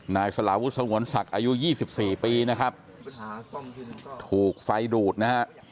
นายสลาวุฒิสงวนศักดิ์อายุ๒๔ปีนะครับถูกไฟดูดนะฮะ